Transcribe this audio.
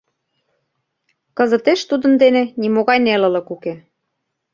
Кызытеш тудын дене нимогай нелылык уке.